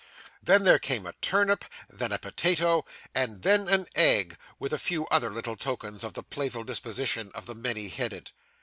Then there came a turnip, then a potato, and then an egg; with a few other little tokens of the playful disposition of the many headed.